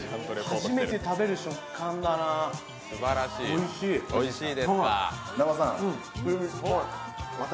初めて食べる食感だな、おいしい。